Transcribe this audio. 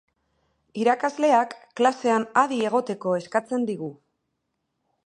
Irakasleak klasean adi egoteko eskatzen digu.